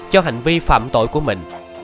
cho hành vi phạm tội của mình